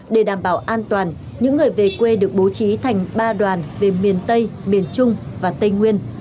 để đảm bảo an toàn những người về quê được bố trí thành ba đoàn về miền tây miền trung và tây nguyên